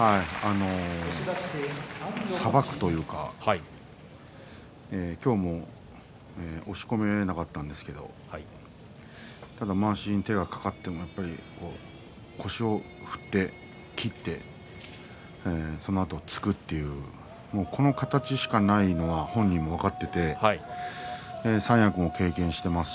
さばくというか今日も押し込めなかったんですがただ、まわしに手が掛かっても腰を振って切ってそのあと突くというこの形しかないのを本人も分かってると思います。